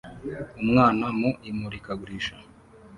Umwana mu imurikagurisha